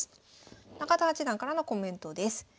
中田八段からのコメントです。